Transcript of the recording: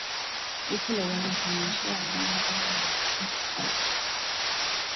Jeshi la Jamuhuri ya Demokrasia ya Kongo hata hivyo linasisitiza kwamba wanajeshi hao wawili